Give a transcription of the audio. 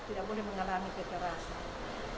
tidak boleh mengalami kekerasan